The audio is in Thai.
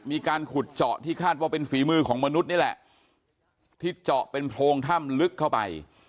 มีการขุดเจาะที่คาดว่าเป็นฝีมือของมนุษย์นี่แหละที่เจาะเป็นโพรงถ้ำลึกเข้าไป